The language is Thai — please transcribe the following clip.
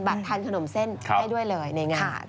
ทานขนมเส้นได้ด้วยเลยในงาน